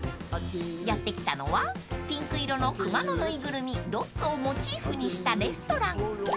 ［やって来たのはピンク色の熊の縫いぐるみロッツォをモチーフにしたレストラン］